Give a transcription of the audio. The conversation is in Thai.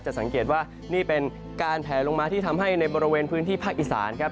สังเกตว่านี่เป็นการแผลลงมาที่ทำให้ในบริเวณพื้นที่ภาคอีสานครับ